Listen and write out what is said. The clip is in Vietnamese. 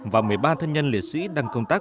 và một mươi ba thân nhân liệt sĩ đang công tác